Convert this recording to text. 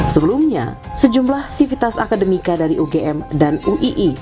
sebelumnya sejumlah sivitas akademika dari ugm dan uii